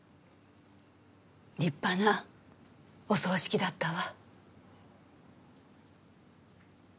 立派なお葬式だったわ。